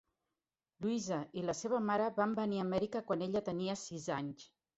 Louisa i la seva mare van venir a Amèrica quan ella tenia sis anys.